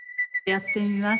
やってみます